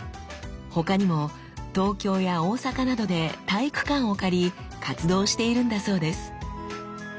他にも東京や大阪などで体育館を借り活動しているんだそうです。